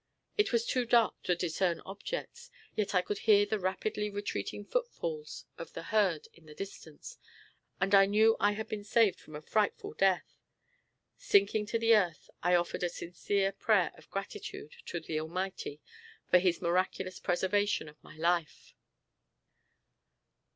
It was too dark to discern objects, yet I could hear the rapidly retreating footfalls of the herd in the distance, and I knew I had been saved from a frightful death. Sinking to the earth I offered a sincere prayer of gratitude to the Almighty for his miraculous preservation of my life!